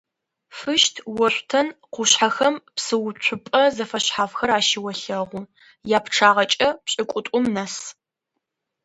Фыщт-Ошъутен къушъхьэхэм псыуцупӏэ зэфэшъхьафхэр ащыолъэгъу, япчъагъэкӏэ пшӏыкӏутӏум нэс.